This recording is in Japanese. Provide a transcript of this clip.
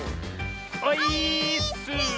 オイーッス！